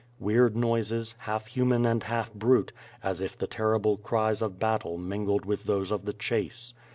Weird noises, htlf human and half brute, as if the terrible cries of battle mingled with those of the chase.